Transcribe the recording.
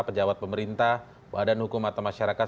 pejabat pemerintah badan hukum atau masyarakat